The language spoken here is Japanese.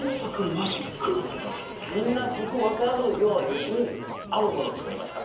みんな僕分かるようにあるものを作りました。